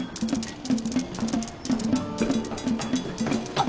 あっ